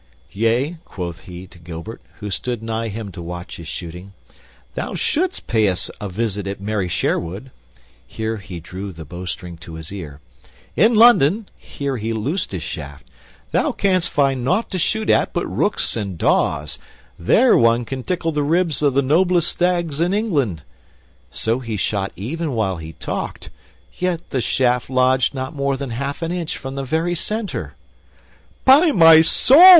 "Yea," quoth he to Gilbert, who stood nigh him to watch his shooting, "thou shouldst pay us a visit at merry Sherwood." Here he drew the bowstring to his ear. "In London" here he loosed his shaft "thou canst find nought to shoot at but rooks and daws; there one can tickle the ribs of the noblest stags in England." So he shot even while he talked, yet the shaft lodged not more than half an inch from the very center. "By my soul!"